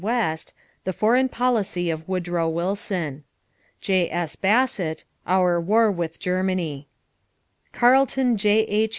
West, The Foreign Policy of Woodrow Wilson. J.S. Bassett, Our War with Germany. Carlton J.H.